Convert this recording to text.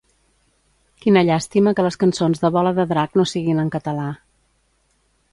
Quina llàstima que les cançons de Bola de Drac no siguin en català.